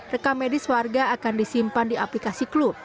rekam medis warga akan disimpan di aplikasi klub